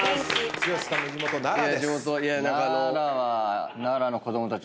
剛さんの地元奈良です。